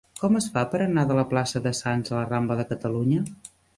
Com es fa per anar de la plaça de Sants a la rambla de Catalunya?